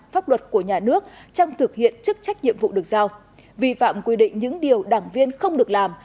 pháp luật của nhà nước trong thực hiện chức trách nhiệm vụ được giao vi phạm quy định những điều đảng viên không được làm